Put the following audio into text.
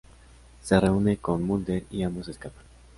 Se reúne con Mulder, y ambos escapan.